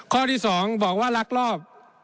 ข้อที่๒บอกว่าลักลอบ